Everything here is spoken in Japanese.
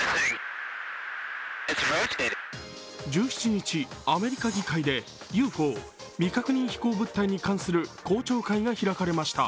１７日、アメリカ議会でＵＦＯ、未確認飛行物体に関する公聴会が開かれました。